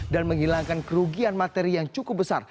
dan menghilangkan kerugian materi yang cukup besar